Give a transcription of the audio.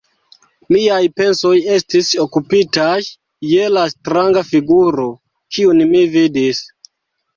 Miaj pensoj estis okupitaj je la stranga figuro, kiun mi vidis.